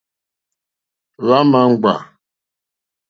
Hwá ǃma ŋɡbà.